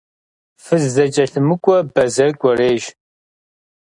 Фыз зэкӀэлъымыкӀуэ бэзэр кӀуэрейщ.